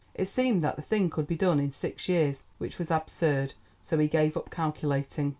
It seemed that the thing could be done in six years, which was absurd, so he gave up calculating.